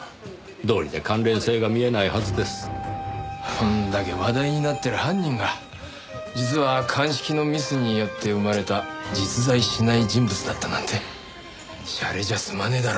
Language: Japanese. こんだけ話題になってる犯人が実は鑑識のミスによって生まれた実在しない人物だったなんてしゃれじゃ済まねえだろ。